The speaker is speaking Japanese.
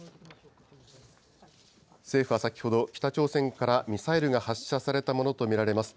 政府は先ほど、北朝鮮からミサイルが発射されたものと見られます。